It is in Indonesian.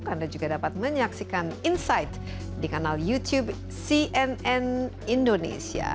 anda juga dapat menyaksikan insight di kanal youtube cnn indonesia